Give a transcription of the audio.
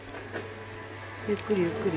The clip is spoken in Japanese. ゆっくりゆっくり。